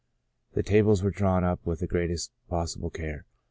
The tables were drawn up with the greatest possible care.